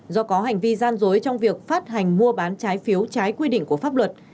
do có hành vi gian dối trong việc phát hành mua bán trái phiếu trái quy định của pháp luật